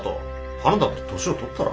はなだって年を取ったら。